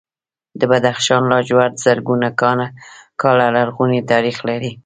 د بدخشان لاجورد زرګونه کاله لرغونی تاریخ لري.